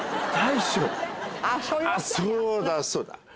そうだそうだ。